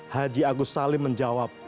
haji agus salim menjawab